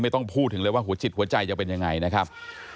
ต้องพูดถึงเลยว่าหัวจิตหัวใจจะเป็นยังไงนะครับ